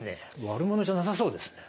悪者じゃなさそうですね。